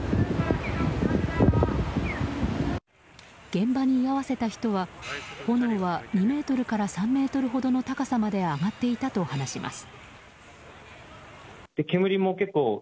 現場に居合わせた人は炎は２ｍから３ｍほどの高さまで上がっていたと話します。